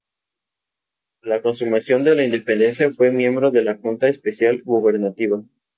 A la consumación de la independencia fue miembro de la Junta Especial Gubernativa.